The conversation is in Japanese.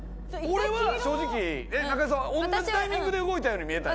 同じタイミングで動いたように見えたよね。